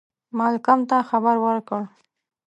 مالکم ته خبر ورکړ.